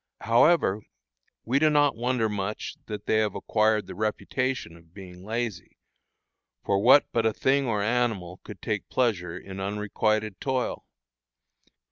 However, we do not wonder much that they have acquired the "reputation" of being lazy, for what but a thing or an animal could take pleasure in unrequited toil?